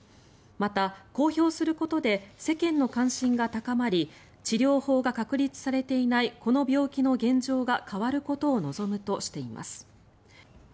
また、公表することで世間の関心が高まり治療法が確立されていないこの病気の現状が変わることを望むとしています。